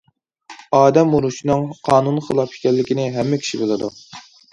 ئادەم ئۇرۇشنىڭ قانۇنغا خىلاپ ئىكەنلىكىنى ھەممە كىشى بىلىدۇ.